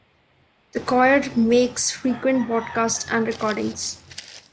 The Choir makes frequent broadcasts and recordings.